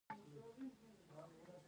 لویې پانګې په بانکونو کې جمع کېږي